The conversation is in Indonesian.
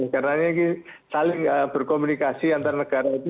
karena ini saling berkomunikasi antar negara itu